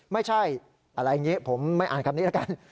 ไม่ใช่อะไรอย่างนี้ผมไม่อ่านคำนี้แล้วกัน